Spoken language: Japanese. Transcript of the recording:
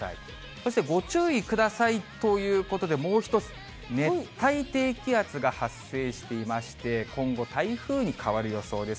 そして、ご注意くださいということで、もう１つ、熱帯低気圧が発生していまして、今後、台風に変わる予想です。